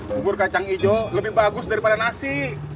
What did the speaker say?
bubur kacang hijau lebih bagus daripada nasi